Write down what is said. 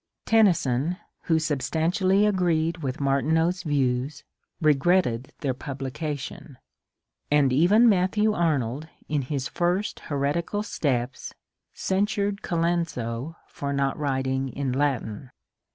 Tennyson, who substantially agreed with Martineau's views, reg^tted their publication ; and even Matthew Arnold in his first heretical steps censured CJolenso for not writing in Latin.